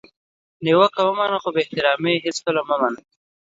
نیوکه ومنه خو بي احترامي هیڅکله مه منه!